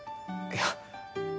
いや。